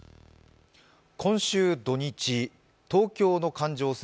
今週土日東京の環状線